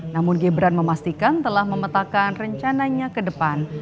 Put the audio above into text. namun gibran memastikan telah memetakan rencananya ke depan